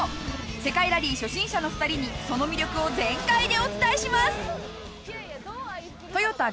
世界ラリー初心者の２人にその魅力を全開でお伝えします。